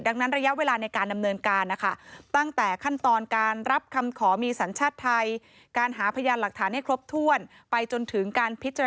ดังนั้นระยะเวลาในการดำเนินการนะคะ